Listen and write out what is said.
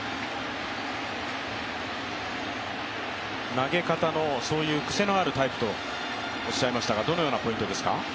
投げ方のクセのあるタイプとおっしゃいましたがどういうポイントですか？